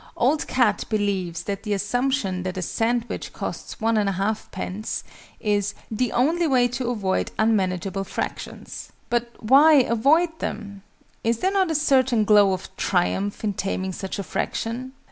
OLD CAT believes that the assumption that a sandwich costs 1 1/2_d._ is "the only way to avoid unmanageable fractions." But why avoid them? Is there not a certain glow of triumph in taming such a fraction?